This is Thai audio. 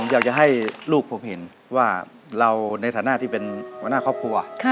อยากจะให้ลูกผมเห็นว่าเราในฐานะที่เป็นหัวหน้าครอบครัว